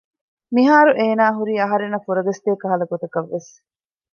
މިހާރު އޭނާ ހުރީ އަހަރެންނަށް ފުރަގަސްދޭ ކަހަލަ ގޮތަކަށްވެސް